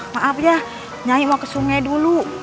maaf ya nyanyi mau ke sungai dulu